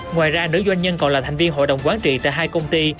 ngoài ra nữ doanh nhân còn là thành viên hội đồng quán trị tại hai công ty